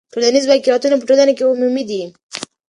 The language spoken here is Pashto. ټولنیز واقعیتونه په ټولنه کې عمومي دي.